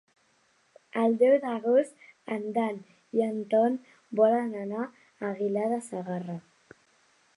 El deu d'agost en Dan i en Ton volen anar a Aguilar de Segarra.